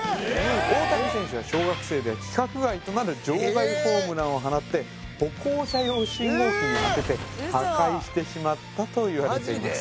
大谷選手は小学生では規格外となる場外ホームランを放って歩行者用信号機に当てて破壊してしまったといわれています